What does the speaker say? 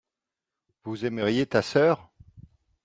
vous aimeriez ta sœur.